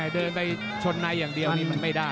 เดินไปชนในอย่างเดียวนี่มันไม่ได้